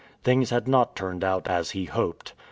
Things had not turned out as he hoped.